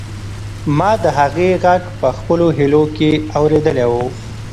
ما د هغې غږ په خپلو هیلو کې اورېدلی و.